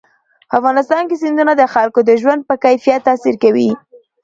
په افغانستان کې سیندونه د خلکو د ژوند په کیفیت تاثیر کوي.